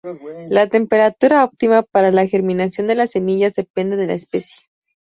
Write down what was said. La temperatura óptima para la germinación de las semillas depende de la especie.